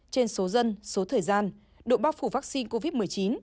trên số dân số thời gian độ bác phủ vaccine covid một mươi chín